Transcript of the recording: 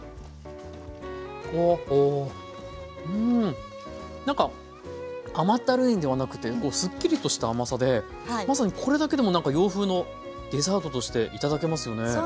うんなんか甘ったるいんではなくてこうすっきりとした甘さでまさにこれだけでもなんか洋風のデザートとして頂けますよね。